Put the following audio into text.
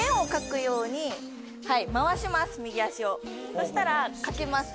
そしたら掛けます。